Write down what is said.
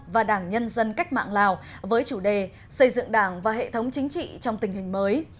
và đảng nhân dân cách mạng lào với chủ đề xây dựng đảng và hệ thống chính trị trong tình hình mới